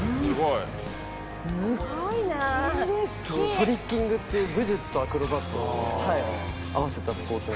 「トリッキングっていう武術とアクロバットを合わせたスポーツ」